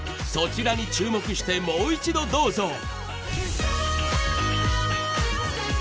そちらに注目してもう一度どうぞ。